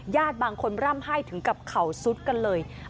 ญาติบางคนร่ำไห้ถึงกับเข่าซุดกันเลย